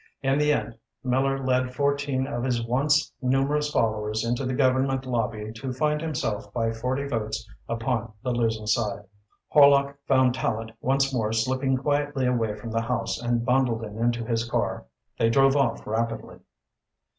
In the end, Miller led fourteen of his once numerous followers into the Government lobby to find himself by forty votes upon the losing side. Horlock found Tallente once more slipping quietly away from the House and bundled him into his car. They drove off rapidly.